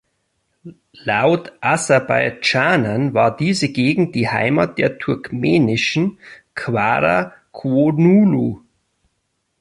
Laut Aserbaidschanern war diese Gegend die Heimat der turkmenischen Qara Qoyunlu.